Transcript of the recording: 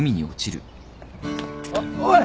あっおい！